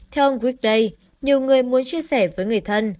theo ông gregg lay nhiều người muốn chia sẻ với người thân